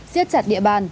xiết chặt địa bàn